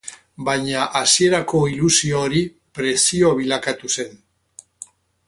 Baina hasierako ilusio hori presio bilakatu zen.